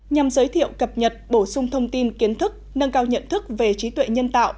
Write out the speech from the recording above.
nhằm giới thiệu cập nhật bổ sung thông tin kiến thức nâng cao nhận thức về trí tuệ nhân tạo